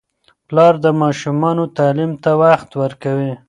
پلار د ماشومانو تعلیم ته وخت ورکوي.